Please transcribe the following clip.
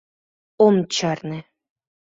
— Ом чарне!